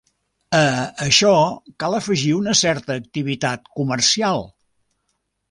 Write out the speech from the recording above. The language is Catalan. A això cal afegir una certa activitat comercial.